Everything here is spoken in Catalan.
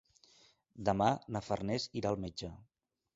Demà na Farners irà al metge.